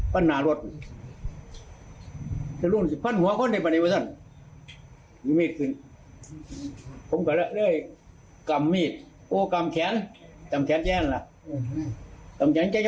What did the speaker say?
ผู้เสียขาย